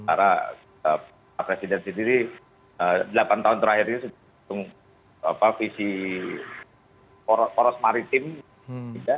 karena presiden sendiri delapan tahun terakhir ini sejumlah apa visi poros maritim tidak